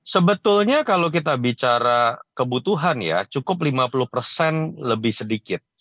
sebetulnya kalau kita bicara kebutuhan ya cukup lima puluh persen lebih sedikit